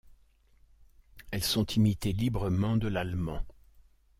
Elles sont imitées librement de l'allemand.